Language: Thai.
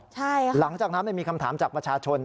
ใช่ค่ะหลังจากนั้นมีคำถามจากประชาชน